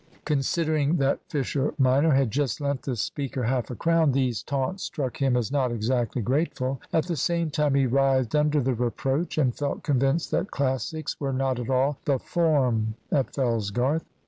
Considering that Fisher minor had just lent the speaker half a crown, these taunts struck him as not exactly grateful. At the same time he writhed under the reproach, and felt convinced that Classics were not at all the "form" at Fellsgarth.